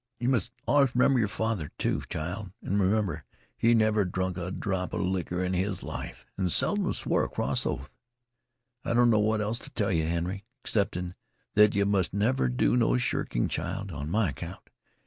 "Yeh must allus remember yer father, too, child, an' remember he never drunk a drop of licker in his life, and seldom swore a cross oath. "I don't know what else to tell yeh, Henry, excepting that yeh must never do no shirking, child, on my account.